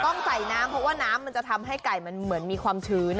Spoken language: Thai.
ต้องใส่น้ำเพราะว่าน้ำมันจะทำให้ไก่มันเหมือนมีความชื้น